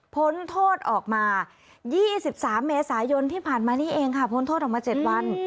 พ้นโทษออกมา๒๓เมษายนที่ผ่านมานี่เองค่ะพ้นโทษออกมา๗วัน